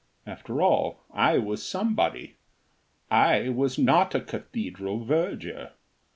After all, I was somebody; I was not a cathedral verger.